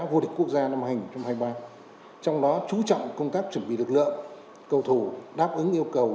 vô địch quốc gia năm hành trong hai ba trong đó chú trọng công tác chuẩn bị lực lượng cầu thủ đáp ứng yêu cầu